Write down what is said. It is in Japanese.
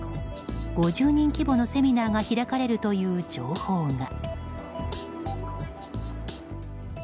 ５０人規模のセミナーが開かれるという情報が。